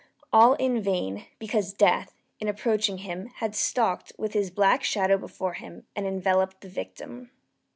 All in vain; because Death, in approaching him had stalked with his black shadow before him, and enveloped the victim.